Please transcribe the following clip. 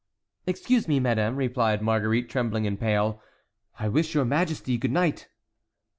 "Excuse me, madame," replied Marguerite, trembling and pale; "I wish your majesty good night."